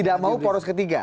tidak mau poros ketiga